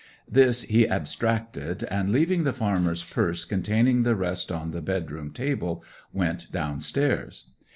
This he abstracted, and leaving the farmer's purse containing the rest on the bedroom table, went downstairs.